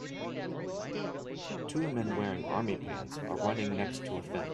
Two men wearing army pants are running next to a fence.